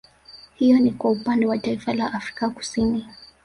Hiyo ni kwa Upande wa Taifa la Afrika Kusini